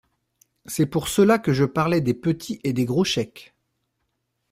C’est pour cela que je parlais des petits et des gros chèques.